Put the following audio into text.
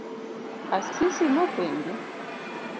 Asisi nopenje?